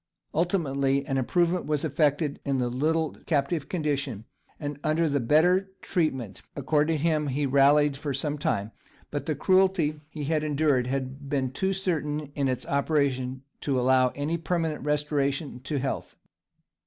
Ultimately an improvement was effected in the little captive's condition, and under the better treatment accorded him he rallied for some time; but the cruelty he had endured had been too certain in its operation to allow of any permanent restoration to health.